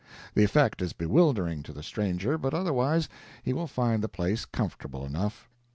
The effect is bewildering, to the stranger, but otherwise he will find the place comfortable enough.